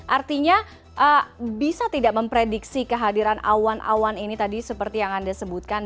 artinya bisa tidak memprediksi kehadiran awan awan ini tadi seperti yang anda sebutkan